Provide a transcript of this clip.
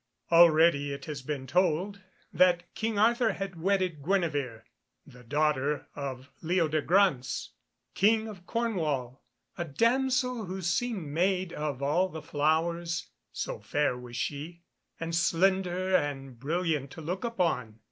Already it has been told that King Arthur had wedded Guenevere, the daughter of Leodegrance, King of Cornwall, a damsel who seemed made of all the flowers, so fair was she, and slender, and brilliant to look upon.